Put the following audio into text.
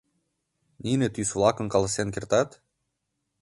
— Нине тӱс-влакым каласен кертат?